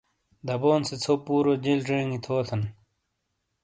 دبون سے ژھو پُورو جیل زینگی تھوتن!